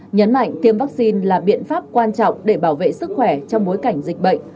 nhấn mạnh tiêm vaccine là biện pháp quan trọng để bảo vệ sức khỏe trong bối cảnh dịch bệnh